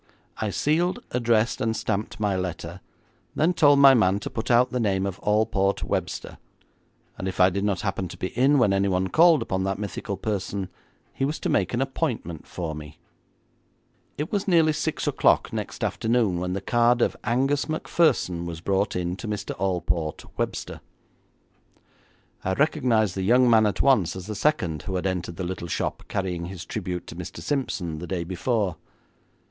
I sealed, addressed, and stamped my letter, then told my man to put out the name of Alport Webster, and if I did not happen to be in when anyone called upon that mythical person, he was to make an appointment for me. It was nearly six o'clock next afternoon when the card of Angus Macpherson was brought in to Mr. Alport Webster. I recognised the young man at once as the second who had entered the little shop carrying his tribute to Mr. Simpson the day before.